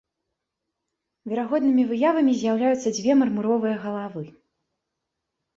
Верагоднымі выявамі з'яўляюцца дзве мармуровыя галавы.